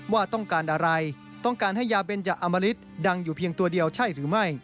ว่าต้องการอะไรต้องการให้ยาเบนจะอมริตดังอยู่เพียงตัวเดียวใช่หรือไม่